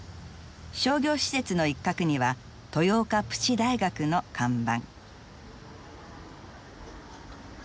商業施設の一角には豊岡プチ大学の看板。